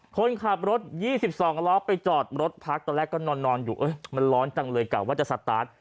คนขับรถ๒๒ล้อไปจอดรถพักตอนแรกก็นอนอยู่มันร้อนจังเลยกะว่าจะสตาร์ท